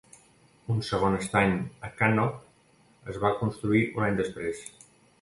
Un segon estany a Cannop es va construir un any després.